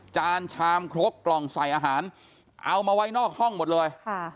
จานชามครกกล่องใส่อาหารเอามาไว้นอกห้องหมดเลย